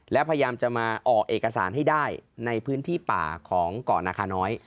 และพยายามจะมาออกเอกสารให้ได้ในพื้นที่ป่าของเกาะนาคาน้อย